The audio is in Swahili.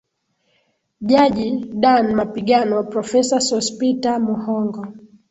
Jaji Dan Mapigano Profesa Sospiter Muhongo